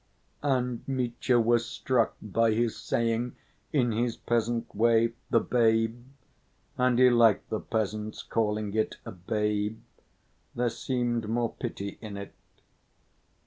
And Mitya was struck by his saying, in his peasant way, "the babe," and he liked the peasant's calling it a "babe." There seemed more pity in it.